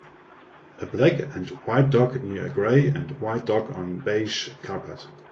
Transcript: A black and white dog near a gray and white dog on beige carpet.